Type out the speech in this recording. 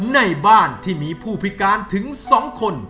ในบ้านที่มีผู้พิการถึง๒คน